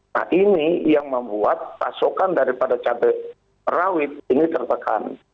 nah ini yang membuat pasokan daripada cabai rawit ini tertekan